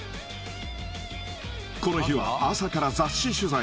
［この日は朝から雑誌取材］